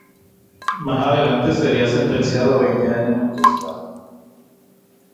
Más adelante sería sentenciado a veinte años en prisión.